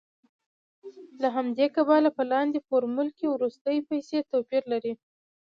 له همدې کبله په لاندې فورمول کې وروستۍ پیسې توپیر لري